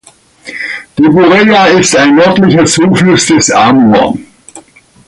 Die Bureja ist ein nördlicher Zufluss des Amur.